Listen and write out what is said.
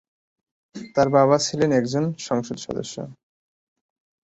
তার বাবা ছিলেন একজন সংসদ সদস্য।